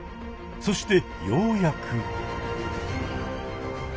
そしてようやく。